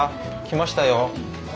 来ましたよ。